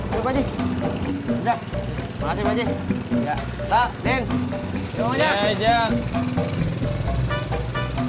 terima kasih pakji